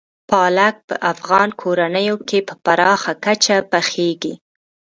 پالک په افغان کورنیو کې په پراخه کچه پخېږي.